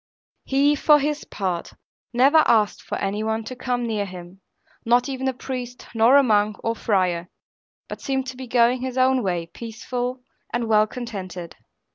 He, for his part, never asked for any one to come near him, not even a priest, nor a monk or friar; but seemed to be going his own way, peaceful, and well contented.